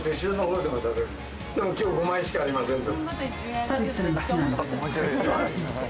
でも今日５枚しかありませんと。